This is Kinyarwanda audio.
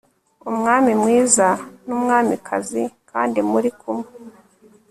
Umwami mwiza nUmwamikazi kandi muri kumwe